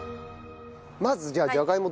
まずじゃあじゃがいも